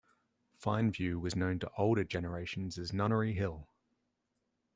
Fineview was known to older generations as Nunnery Hill.